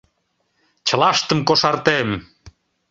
Чылаштым кошартем!